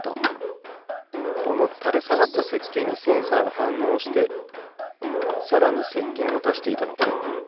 このたれさがったせっけんにセンサーがはんのうしてさらにせっけんをだしていたのか。